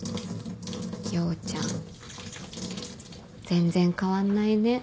陽ちゃん全然変わんないね。